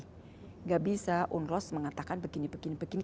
tidak bisa unros mengatakan begini begini begini